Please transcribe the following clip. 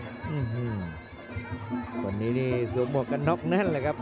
อื้อฮือวันนี้นี่สวมวกกับน็อคนั่นแหละครับ